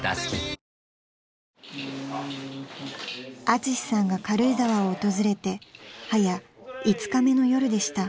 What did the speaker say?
［アツシさんが軽井沢を訪れてはや５日目の夜でした］